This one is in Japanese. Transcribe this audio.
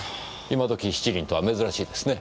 今時七輪とは珍しいですね。